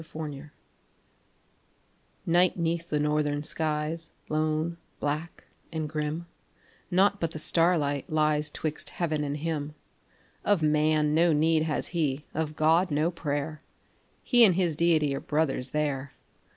THE CAMPER Night 'neath the northern skies, lone, black, and grim: Naught but the starlight lies 'twixt heaven, and him. Of man no need has he, of God, no prayer; He and his Deity are brothers there.